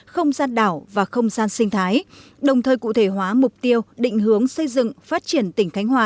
không gian đảo và không gian sinh thái đồng thời cụ thể hóa mục tiêu định hướng xây dựng phát triển tỉnh khánh hòa